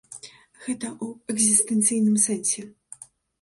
Гэта ў экзістэнцыйным сэнсе.